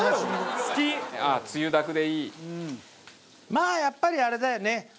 まあやっぱりあれだよね。